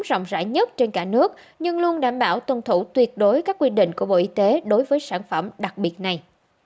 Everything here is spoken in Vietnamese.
rộng rãi nhất trên cả nước nhưng luôn đảm bảo tuân thủ tuyệt đối các quy định của bộ y tế đối với sản phẩm đặc biệt này